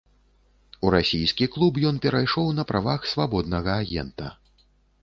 У расійскі клуб ён перайшоў на правах свабоднага агента.